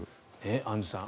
アンジュさん